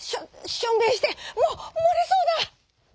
しょんべんしてえ。ももれそうだ」。